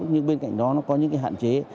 nhưng bên cạnh đó nó có những hạn chế